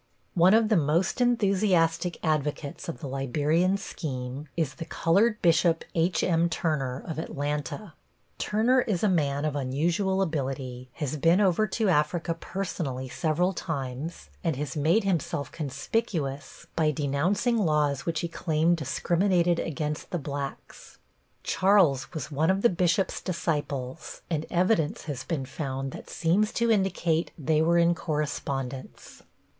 One of the most enthusiastic advocates of the Liberian scheme is the colored Bishop H.M. Turner, of Atlanta. Turner is a man of unusual ability, has been over to Africa personally several times, and has made himself conspicuous by denouncing laws which he claimed discriminated against the blacks. Charles was one of the bishop's disciples and evidence has been found that seems to indicate they were in correspondence.